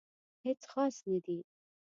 هیڅ خاص نه دي